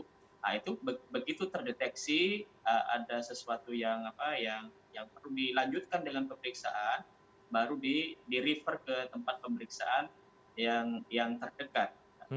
nah itu begitu terdeteksi ada sesuatu yang perlu dilanjutkan dengan pemeriksaan baru di refer ke tempat pemeriksaan yang terdekat